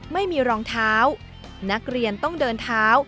ไม่มีรองเท้านักเรียนต้องเดินเท้า